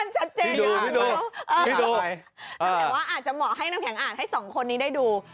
แต่ว่าอาจจะเหมาะให้น้ำแข็งอ่านให้สองคนนี้ได้ดู